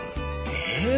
えっ？